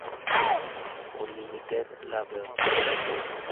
Unlimited label.